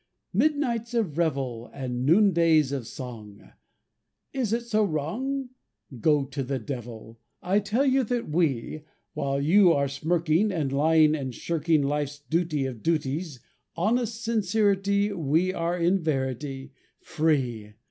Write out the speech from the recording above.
Midnights of revel, And noondays of song! Is it so wrong? Go to the Devil! I tell you that we, While you are smirking And lying and shirking life's duty of duties, Honest sincerity, We are in verity Free!